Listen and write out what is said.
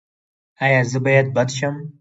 ایا زه باید بد شم؟